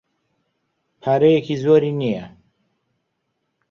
پارەیەکی زۆری نییە.